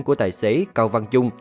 của tài xế cao văn trung